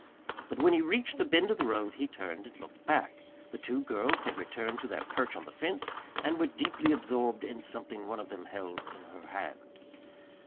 But when he reached the bend of the road he turned and looked back. The two girls had returned to their perch on the fence, and were deeply absorbed in something one of them held in her hand.